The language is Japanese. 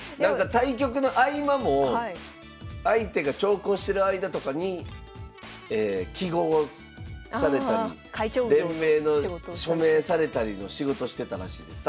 対局の合間も相手が長考してる間とかに揮毫をされたり連盟の署名されたりの仕事してたらしいです。